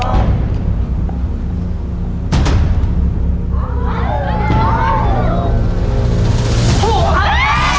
ถูกถูกถูกถูก